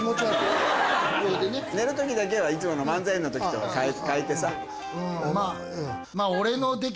寝る時だけはいつもの漫才の時とは変えてさ。